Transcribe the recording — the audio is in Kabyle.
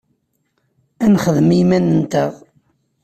Ad nexdem i yiman-nteɣ.